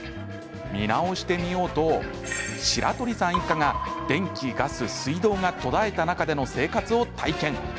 見直してみようと白鳥さん一家が電気、ガス、水道が途絶えた中での生活を体験。